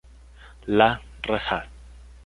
Las Rejas.